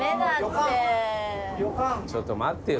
ちょっと待ってよ。